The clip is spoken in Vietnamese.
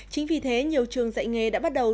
chính vì thế nhiều trường dạy nghề đã bắt đầu